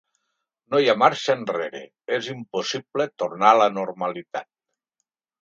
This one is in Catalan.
No hi ha marxa enrere, és impossible tornar a la normalitat.